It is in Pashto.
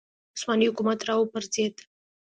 عثماني حکومت راوپرځېد